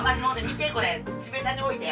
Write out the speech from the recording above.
見てこれ地べたに置いて。